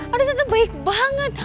aduh tante baik banget